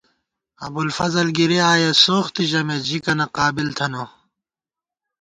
ابُوالفضل گِری آیَہ، سوختےژَمېت ژِکَنہ قابل تھنہ